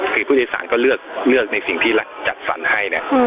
คือผู้โดยสารก็เลือกในสิ่งที่จัดสรรให้นะ